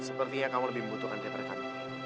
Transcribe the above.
sepertinya kamu lebih membutuhkan deperkan